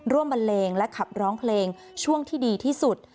บันเลงและขับร้องเพลงช่วงที่ดีที่สุด